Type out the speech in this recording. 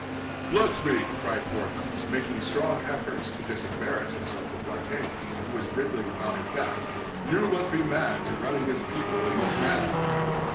"Bless me!" cried Porthos, making strong efforts to disembarrass himself of D'Artagnan, who was wriggling about his back; "you must be mad to run against people in this manner."